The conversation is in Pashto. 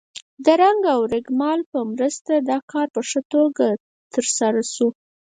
د رنګ او رېګمال په مرسته دا کار په ښه توګه سرته رسیږي.